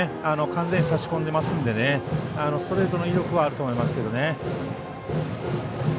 完全に差し込んでますのでストレートの威力はあると思いますけどね。